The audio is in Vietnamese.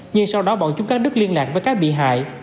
nhưng sau đó bọn chúng các đức liên lạc với các bị hại